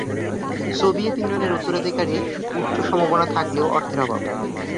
Soviet ইউনিয়নের উত্তরাধিকারী উচ্চ সম্ভাবনা থাকলেও অর্থের অভাব।